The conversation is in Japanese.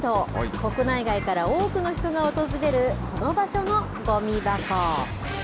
国内外から多くの人が訪れる、この場所のゴミ箱。